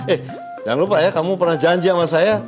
eh jangan lupa ya kamu pernah janji sama saya